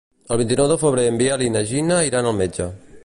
El vint-i-nou de febrer en Biel i na Gina iran al metge.